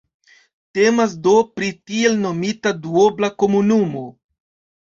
Temas do pri tiel nomita duobla komunumo.